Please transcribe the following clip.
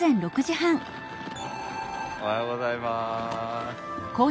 おはようございます。